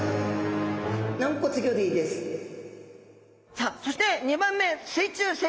さあそして２番目水中生活。